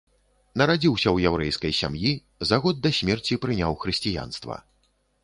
Нарадзіўся ў яўрэйскай сям'і, за год да смерці прыняў хрысціянства.